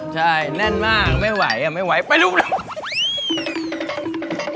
ใช่แน่นมากไม่ไหวอ่ะไม่ไหวไปรูปรูป